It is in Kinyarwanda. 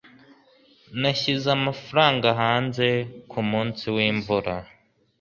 Yashyize amafaranga hanze kumunsi wimvura.